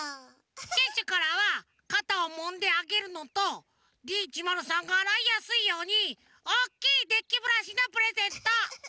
シュッシュからはかたをもんであげるのとＤ１０３があらいやすいようにおっきいデッキブラシのプレゼント。